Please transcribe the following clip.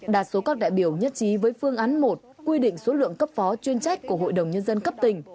đa số các đại biểu nhất trí với phương án một quy định số lượng cấp phó chuyên trách của hội đồng nhân dân cấp tỉnh